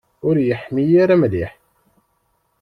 Ur yeḥmi ara mliḥ.